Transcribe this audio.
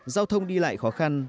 giao thông đi lại khó khăn